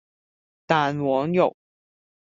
蛋黃肉